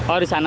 oh di sana